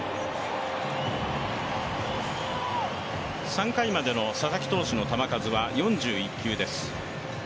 ３回までの佐々木投手の球数は４１球です。